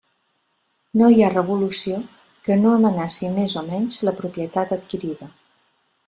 No hi ha revolució que no amenaci més o menys la propietat adquirida.